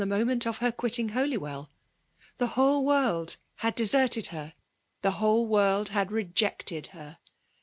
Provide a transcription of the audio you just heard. moment of her quitting Hotywell; The whole world had deserted her — ^the wholq world had rejected her.